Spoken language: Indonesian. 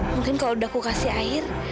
mungkin kalau udah aku kasih air